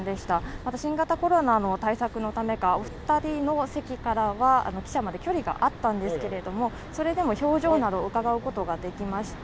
また新型コロナの対策のためかお二人の席からは記者まで距離があったんですけれどもそれでも表情などをうかがうことができました。